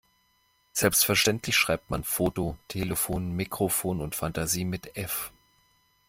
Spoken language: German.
Selbstverständlich schreibt man Foto, Telefon, Mikrofon und Fantasie mit F.